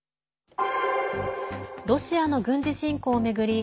ロシアの軍事侵攻を巡り